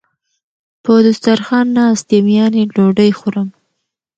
په دسترخان ناست یم یعنی ډوډی خورم